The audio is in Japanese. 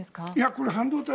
これ、半導体